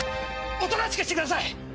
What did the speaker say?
おとなしくしてください！